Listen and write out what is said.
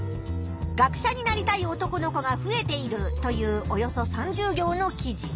「学者になりたい男の子が増えている」というおよそ３０行の記事。